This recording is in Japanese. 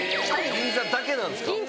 銀座だけなんです。